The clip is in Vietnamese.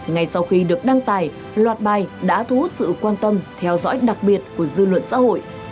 ngay sau khi được đăng tải loạt bài đã thu hút sự quan tâm theo dõi đặc biệt của dư luận xã hội